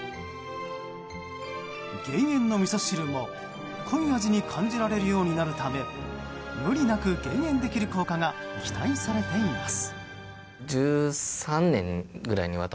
減塩のみそ汁も、濃い味に感じられるようになるため無理なく減塩できる効果が期待されています。